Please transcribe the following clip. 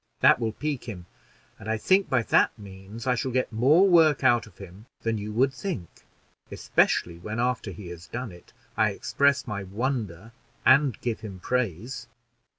That will pique him, and I think by that means I shall get more work out of him than you would think, especially when, after he has done it, I express my wonder and give him praise."